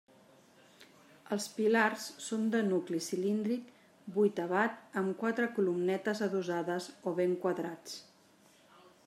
Els pilars són de nucli cilíndric vuitavat amb quatre columnetes adossades o ben quadrats.